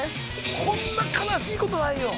こんな悲しいことないよ。